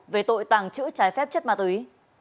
về tội tàng trữ trái phép chất ma túy